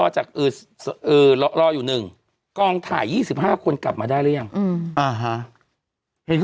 จะซื้อของได้แล้ว